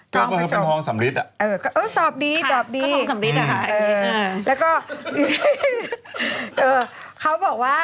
ทองสำริดก็เป็นทองสำริด